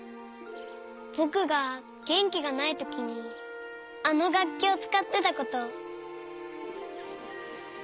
ぼくがげんきがないときにあのがっきをつかってたこと。